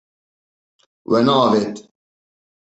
We neavêt.